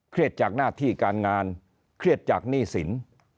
จากหน้าที่การงานเครียดจากหนี้สิน